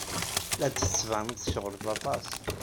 La d-tettbaned tceɣled aṭas.